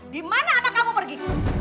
di mana anak kamu pergi